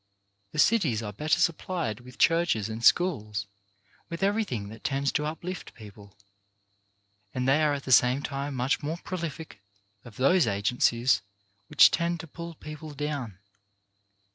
The cities are better supplied with churches and schools, with every LAST WORDS 287 thing that tends to uplift people; and they are at the same time much more prolific of those agencies which tend to pull people down.